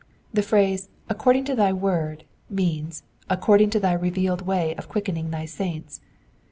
The phrase, according to thy word,'* means, — according to thy revealed way of quickening thy saints.